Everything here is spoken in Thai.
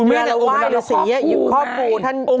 เมื่อเราว่าอีนูศรีอ่ะอยู่ข้อปู่